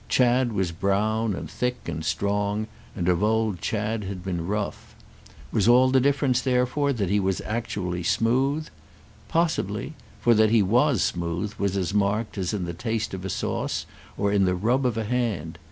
Chad was brown and thick and strong, and of old Chad had been rough. Was all the difference therefore that he was actually smooth? Possibly; for that he was smooth was as marked as in the taste of a sauce or in the rub of a hand.